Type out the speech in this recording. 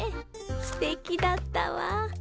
すてきだったわ。